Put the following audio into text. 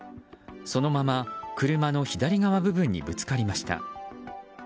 そのまま車の左側部分にぶつかりました。